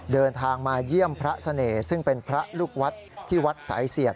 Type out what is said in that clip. เดินทางมาเยี่ยมพระเสน่ห์ซึ่งเป็นพระลูกวัดที่วัดสายเสียด